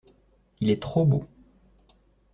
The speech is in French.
Il est trop beau.